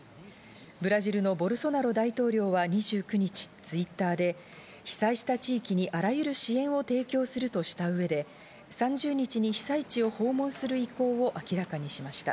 ブラジルのボルソナロ大統領は２９日、Ｔｗｉｔｔｅｒで被災した地域にあらゆる支援を提供するとした上で、３０日に被災地を訪問する意向を明らかにしました。